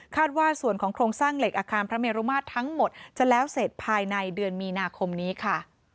ว่าส่วนของโครงสร้างเหล็กอาคารพระเมรุมาตรทั้งหมดจะแล้วเสร็จภายในเดือนมีนาคมนี้ค่ะ